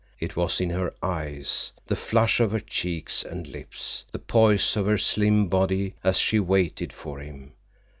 It was in her eyes, the flush of her cheeks and lips, the poise of her slim body as she waited for him.